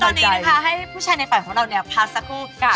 ตอนนี้นะคะให้ผู้ชายในฝันของเราเนี่ยพักสักครู่ค่ะ